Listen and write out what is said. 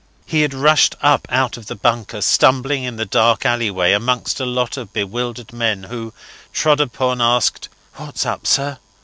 He had rushed up out of the bunker, stumbling in the dark alleyway amongst a lot of bewildered men who, trod upon, asked "What's up, sir?"